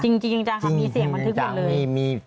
จริงจังค่ะมีเสียงบันทึกหมดเลย